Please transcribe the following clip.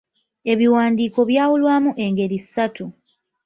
Ebiwandiiko byawulwamu engeri ssatu.